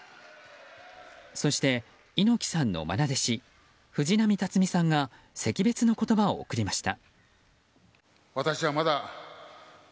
そして猪木さんの愛弟子藤波辰爾さんが惜別の言葉を送りました。